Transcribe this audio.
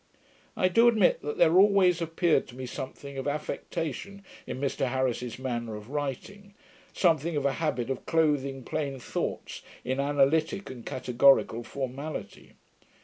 I do admit, that there always appeared to me something of affectation in Mr Harris's manner of writing; something of a habit of clothing plain thoughts in analytick and categorical formality.